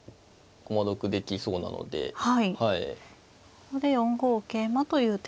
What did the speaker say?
ここで４五桂馬という手が。